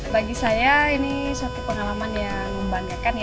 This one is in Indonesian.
bagi saya ini suatu pengalaman yang membanggakan